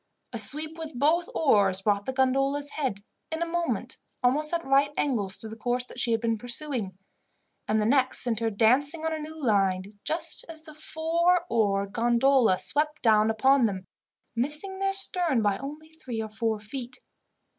A sweep with both oars brought the gondola's head, in a moment, almost at right angles to the course that she had been pursuing; and the next sent her dancing on a new line, just as a four oared gondola swept down upon them, missing their stern by only three or four feet.